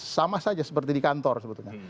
sama saja seperti di kantor sebetulnya